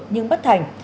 nhưng bất thành